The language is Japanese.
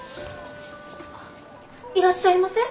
いらっしゃいませ。